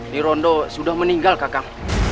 dirondo sudah meninggal kakak